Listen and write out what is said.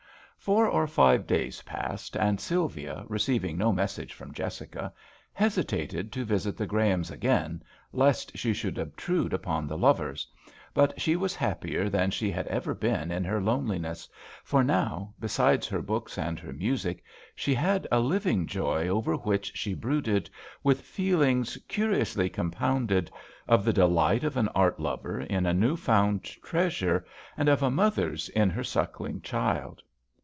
Four or five days passed, and Sylvia, receiving no message from Jessica, hesitated to visit the Grahams again, lest she should obtrude upon the lovers ; but she was happier than she had ever been in her loneliness, for now, besides her books and her music, she had a living joy over which she brooded with feelings curiously compounded of the delight of an art lover in a new found treasure and of a mother's in her sucking child.